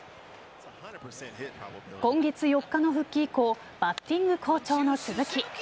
今月４日の復帰以降バッティング好調の鈴木。